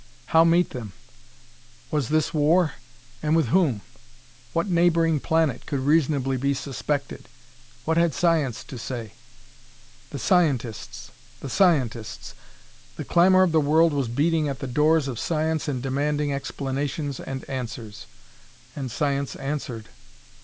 How meet them? Was this war and with whom? What neighboring planet could reasonably be suspected. What had science to say? The scientists! The scientists! The clamor of the world was beating at the doors of science and demanding explanations and answers. And science answered.